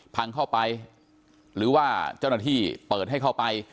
พังเข้าไปหรือว่าเจ้าหน้าที่เปิดให้เข้าไป